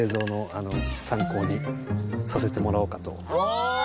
お！